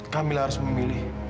kamila harus memilih